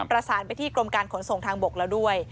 แล้วก็กรมการขนส่งทางบกแล้วด้วย